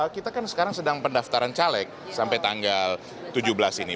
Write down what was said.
kita kan sekarang sedang pendaftaran caleg sampai tanggal tujuh belas ini